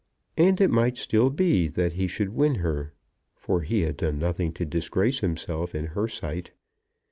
And it might still be that he should win her; for he had done nothing to disgrace himself in her sight.